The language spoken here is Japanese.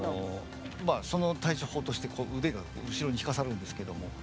その対処法として腕が後ろに引かされるんですけれども。